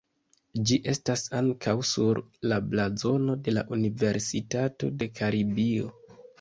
Ĝi estas ankaŭ sur la blazono de la Universitato de Karibio.